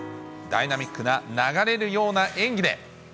ダイナミックな流れるような演技で。